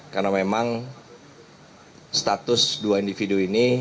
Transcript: karena memang status dua individu ini